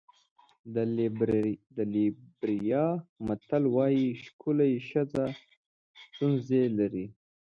د لېبریا متل وایي ښکلې ښځه ستونزې لري.